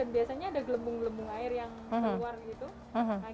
biasanya ada gelembung gelembung air yang keluar gitu